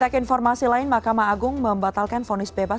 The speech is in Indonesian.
setelah informasi lain mahkamah agung membatalkan fonis bebas